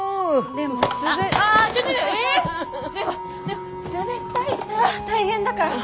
でも滑ったりしたら大変だから。